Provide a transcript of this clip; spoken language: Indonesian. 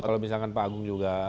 kalau misalkan pak agung juga